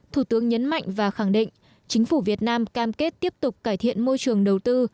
thủ tướng nhấn mạnh và khẳng định chính phủ việt nam cam kết tiếp tục cải thiện môi trường đầu tư